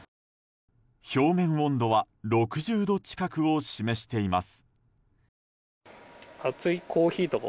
表面温度は６０度近くを示しています。